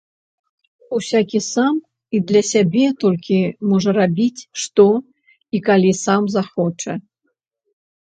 Усякі сам і для сябе толькі можа рабіць што і калі сам захоча.